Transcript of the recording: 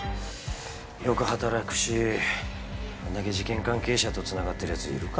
よく働くしあんだけ事件関係者とつながってるやついるか？